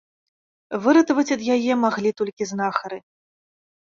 Выратаваць ад яе маглі толькі знахары.